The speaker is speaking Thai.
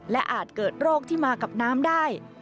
และอาจเกิดโรคที่มากับน้ำได้